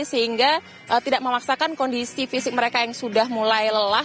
sehingga tidak memaksakan kondisi fisik mereka yang sudah mulai lelah